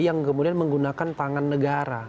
yang kemudian menggunakan tangan negara